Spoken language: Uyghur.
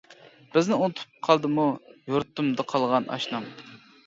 بىزنى ئۇنتۇپ قالدىمۇ، يۇرتۇمدا قالغان ئاشنام.